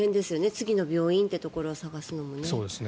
次の病院というところを探すのも。